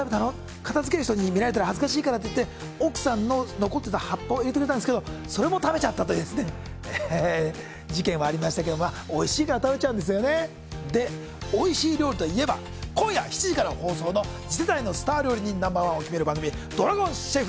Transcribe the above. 「片づける人に見られたら恥ずかしいから」といって奥さんの残ってた葉っぱを入れてくれたんですけどそれも食べちゃったという事件はありましたけどもおいしいから食べちゃうんですよねでおいしい料理といえば今夜７時から放送の次世代のスター料理人Ｎｏ．１を決める番組ＤＲＡＧＯＮＣＨＥＦ